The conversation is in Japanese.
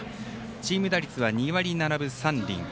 チーム打率は２割７分３厘。